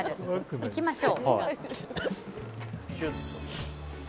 行きましょう。